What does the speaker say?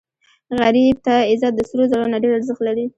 غریب ته عزت د سرو زرو نه ډېر ارزښت لري